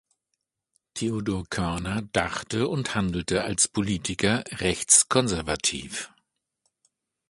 Theodor Körner dachte und handelte als Politiker rechtskonservativ.